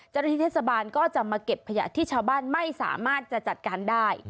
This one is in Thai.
เจ้าหน้าที่เทศบาลก็จะมาเก็บขยะที่ชาวบ้านไม่สามารถจะจัดการได้